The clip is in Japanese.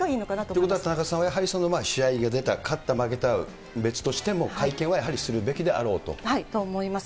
ってことは、田中さんはやはり試合に出た、勝った負けたは別にしても、会見はやはりするべきと思います。